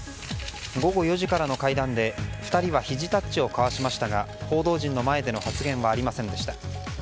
午後４時からの会談で２人はひじタッチを交わしましたが報道陣の前での発言はありませんでした。